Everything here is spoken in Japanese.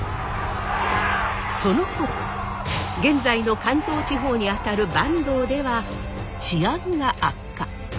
そのころ現在の関東地方にあたる坂東では治安が悪化。